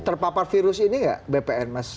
terpapar virus ini nggak bpn mas